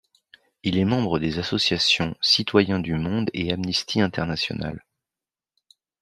Il est membre des associations Citoyen du Monde et Amnesty International.